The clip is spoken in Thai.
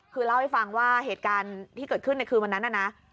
คือเล่าให้ฟังว่าเหตุการณ์ที่เกิดขึ้นในคืนวันนั้นน่ะนะ